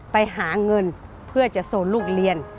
ไปหาเงินเพื่อจะส่งลูกเรียน